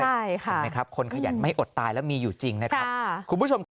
เห็นไหมครับคนขยันไม่อดตายและมีอยู่จริงนะครับ